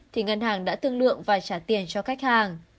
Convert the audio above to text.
thì ngân hàng đã thương lượng và trả tiền cho khách hàng